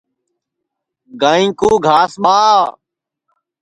گائیں کُو گھاس ٻاہ